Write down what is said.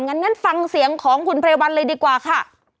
งั้นฟังเสียงของคุณไพรวัลเลยดีกว่าค่ะ